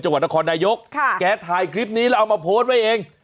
จังหวัดนครนายกแกถ่ายคลิปนี้แล้วเอามาโพสต์ไว้เอง